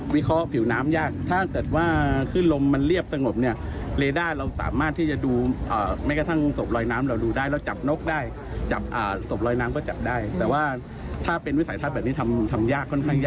มันวนมันวนแล้วก็ไม่มีทิศทาง